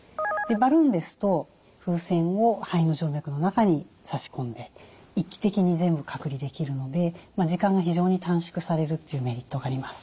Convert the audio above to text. バルーンですと風船を肺の静脈の中にさし込んで一気的に全部隔離できるので時間が非常に短縮されるというメリットがあります。